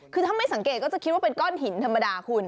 คือถ้าไม่สังเกตก็จะคิดว่าเป็นก้อนหินธรรมดาคุณ